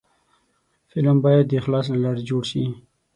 فلم باید د اخلاص له لارې جوړ شي